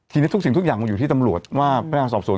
ทีนี้ทุกสิ่งทุกอย่างมันอยู่ที่ตำรวจว่าพนักงานสอบสวน